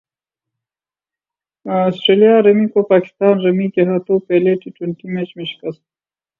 سٹریلیا رمی کو پاکستان رمی کے ہاتھوں پہلے ٹی ٹوئنٹی میچ میں شکست